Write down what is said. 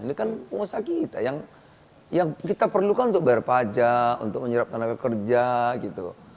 ini kan pengusaha kita yang kita perlukan untuk bayar pajak untuk menyerap tenaga kerja gitu